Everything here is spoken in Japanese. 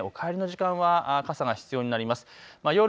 お帰りの時間は傘が必要になります。